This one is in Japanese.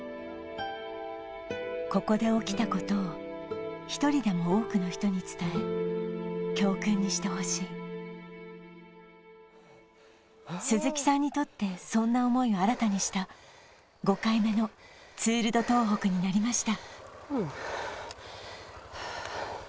ここで起きたことを１人でも多くの人に伝え教訓にしてほしい鈴木さんにとってそんな思いを新たにした５回目のツール・ド・東北になりました